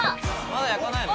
まだ焼かないの？